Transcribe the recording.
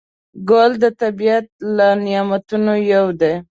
ګل د طبیعت له نعمتونو یو دی.